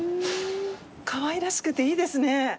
かわいらしくていいですね。